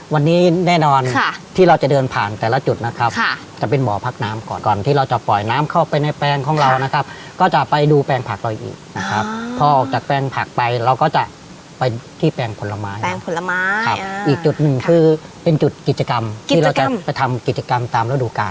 วันนี้แน่นอนที่เราจะเดินผ่านแต่ละจุดนะครับจะเป็นบ่อพักน้ำก่อนก่อนที่เราจะปล่อยน้ำเข้าไปในแปลงของเรานะครับก็จะไปดูแปลงผักเราอีกนะครับพอออกจากแปลงผักไปเราก็จะไปที่แปลงผลไม้แปลงผลไม้ครับอีกจุดหนึ่งคือเป็นจุดกิจกรรมที่เราจะไปทำกิจกรรมตามฤดูกาล